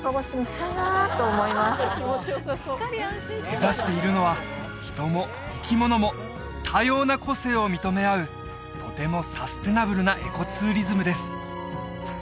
目指しているのは人も生き物も多様な個性を認め合うとてもサステイナブルなエコ・ツーリズムです